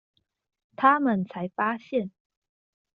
他們才發現